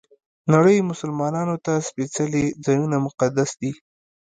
نړۍ مسلمانانو ته سپېڅلي ځایونه مقدس دي.